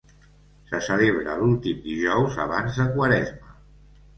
Se celebra l'últim dijous abans de Quaresma.